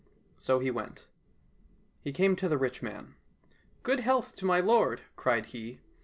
So he went. He came to the rich man. " Good health to my lord !" cried he.